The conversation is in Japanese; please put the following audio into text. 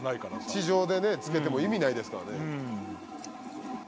地上でね着けても意味ないですからね。